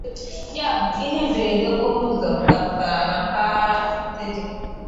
ya bụ ihe mberede okporoụzọ dapụtàrà na mpaghara Nteje